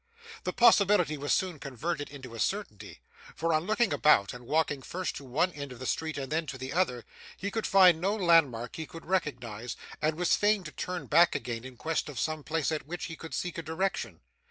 The possibility was soon converted into a certainty; for, on looking about, and walking first to one end of the street and then to the other, he could find no landmark he could recognise, and was fain to turn back again in quest of some place at which he could seek a direction.